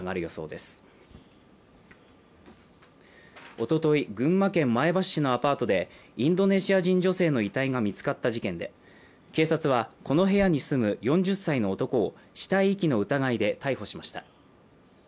おととい、群馬県前橋市のアパートでインドネシア人女性の遺体が見つかった事件で警察は、この部屋に住む４０歳の男を死体遺棄の疑いで逮捕しました。